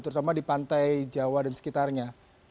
terutama di pantai jawa dan sekitarnya